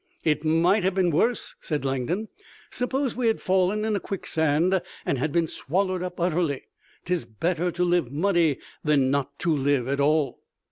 "It might have been worse," said Langdon. "Suppose we had fallen in a quicksand and had been swallowed up utterly. 'Tis better to live muddy than not to live at all."